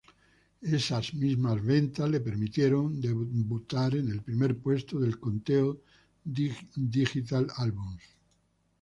Esas mismas ventas, le permitieron debutar en el primer puesto del conteo "Digital Albums".